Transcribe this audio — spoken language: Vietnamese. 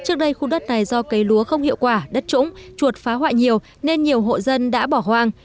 trước đây khu đất này do cây lúa không hiệu quả đất trũng chuột phá hoại nhiều nên nhiều hộ dân đã bỏ hoang